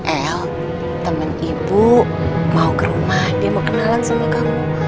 el temen ibu mau ke rumah dia mau kenalan sama kamu